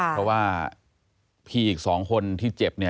เพราะว่าพี่อีก๒คนที่เจ็บ